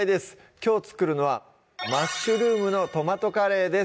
きょう作るのは「マッシュルームのトマトカレー」です